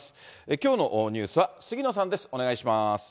きょうのニュースは杉野さんです。